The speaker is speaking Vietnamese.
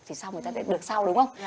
thì sau người ta sẽ được sau đúng không